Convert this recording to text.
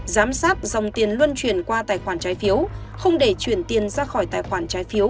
giám sát dòng tiền luân chuyển qua tài khoản trái phiếu không để chuyển tiền ra khỏi tài khoản trái phiếu